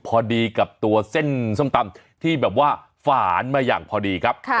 พอดีกับตัวเส้นส้มตำที่แบบว่าฝานมาอย่างพอดีครับ